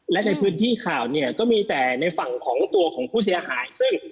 และในพื้นที่ข่าวเนี่ยก็มีแต่ในฝั่งของตัวของผู้เสียหายซึ่ง